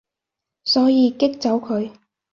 所以激走佢